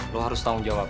lo harus tanggung jawab